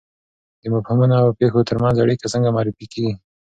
د مفهومونو او پېښو ترمنځ اړیکه څنګه معرفي کیږي؟